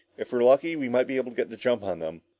If we're lucky, we might be able to get the jump on them!"